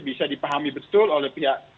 bisa dipahami betul oleh pihak